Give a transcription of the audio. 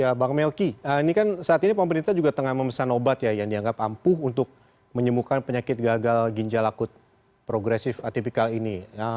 ya bang melki ini kan saat ini pemerintah juga tengah memesan obat ya yang dianggap ampuh untuk menyembuhkan penyakit gagal ginjal akut progresif atipikal ini